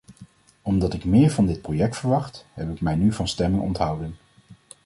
Omdat ik meer van dit project verwacht, heb ik mij nu van stemming onthouden.